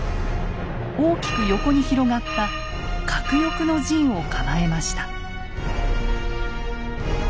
大きく横に広がった鶴翼の陣を構えました。